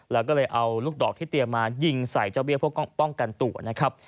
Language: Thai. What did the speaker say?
แล้วก็เลยเอาลูกดอกที่เตรียมมายิงใส่เจ้าเบี้ยเพื่อป้องกันตัวนะครับ